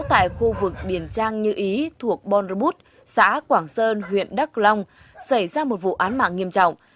tại khu vực điền trang như ý thuộc bonrebut xã quảng sơn huyện đắk long xảy ra một vụ án mạng nghiêm trọng